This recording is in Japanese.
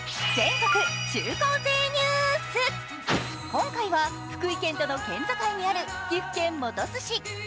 今回は福井県との県境にある岐阜県本巣市。